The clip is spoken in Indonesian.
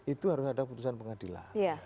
itu harus ada putusan pengadilan